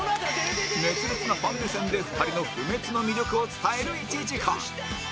熱烈なファン目線で２人のフメツノ魅力を伝える１時間！